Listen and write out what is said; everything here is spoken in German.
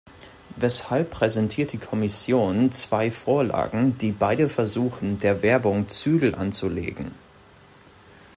Weshalb präsentiert die Kommission zwei Vorlagen, die beide versuchen, der Werbung Zügel anzulegen?